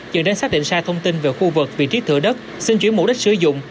dẫn đến xác định xa thông tin về khu vực vị trí thửa đất sinh chuyển mục đích sử dụng